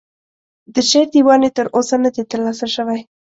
د شعر دیوان یې تر اوسه نه دی ترلاسه شوی.